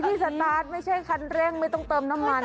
สตาร์ทไม่ใช่คันเร่งไม่ต้องเติมน้ำมัน